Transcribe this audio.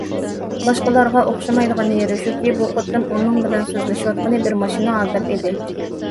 باشقىلارغا ئوخشىمايدىغان يېرى شۇكى، بۇ قېتىم ئۇنىڭ بىلەن سۆزلىشىۋاتقىنى بىر ماشىنا ئادەم ئىدى.